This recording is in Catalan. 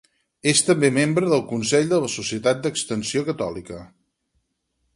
És també membre del Consell de la Societat d'Extensió Catòlica.